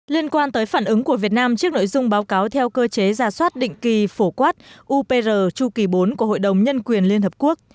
liên quan tới phản ứng của việt nam trước nội dung báo cáo theo cơ chế giả soát định kỳ phổ quát upr chu kỳ bốn của hội đồng nhân quyền liên hợp quốc